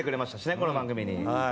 この番組に。